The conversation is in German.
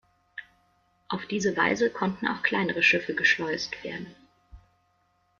Auf diese Weise konnten auch kleinere Schiffe „geschleust“ werden.